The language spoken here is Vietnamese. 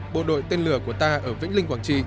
bộ đội tên lửa của ta ở vĩnh linh quảng trị